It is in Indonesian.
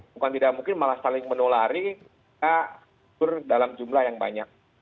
bukan tidak mungkin malah saling menulari dalam jumlah yang banyak